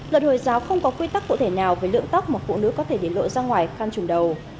luật hồi giáo không có quy tắc cụ thể nào về lượng tóc mà phụ nữ có thể để lộ ra ngoài khăn trùng đầu